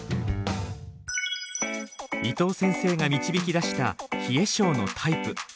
伊藤先生が導き出した冷え症のタイプ。